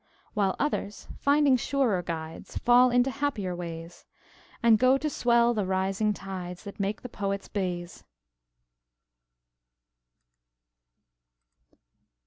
While others, finding surer guides, Fall into happier ways, And go to swell the rising tides That make the Poet's bays.